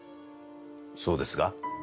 そうですが。